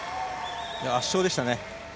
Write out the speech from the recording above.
圧勝でしたね。